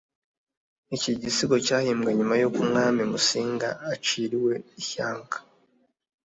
iki gisigo, cyahimbwe nyuma y’uko umwami musinga aciriwe ishyanga.